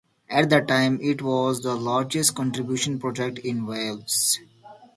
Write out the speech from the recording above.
At that time it was the largest construction project in Wales.